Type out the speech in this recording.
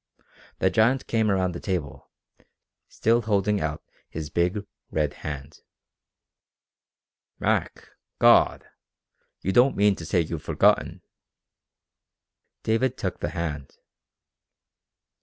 The giant came around the table, still holding out his big, red hand. "Mac! God! You don't mean to say you've forgotten...." David took the hand.